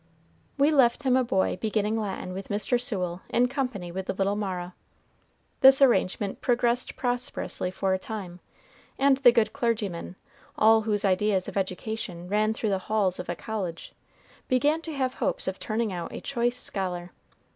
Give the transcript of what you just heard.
We left him a boy beginning Latin with Mr. Sewell in company with the little Mara. This arrangement progressed prosperously for a time, and the good clergyman, all whose ideas of education ran through the halls of a college, began to have hopes of turning out a choice scholar.